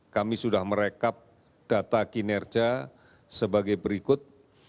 kami sudah merekap data kinerja sebagai berikut